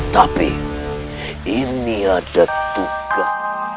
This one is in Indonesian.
tapi ini ada tugas